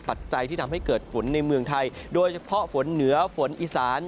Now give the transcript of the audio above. ปัจจัยที่ทำให้เกิดฝนในเมืองไทยโดยเฉพาะฝนเหนือฝนอีสาน